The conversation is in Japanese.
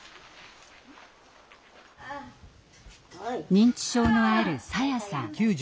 認知症のあるさやさん。